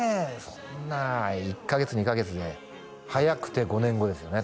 そんな１カ月２カ月で早くて５年後ですよね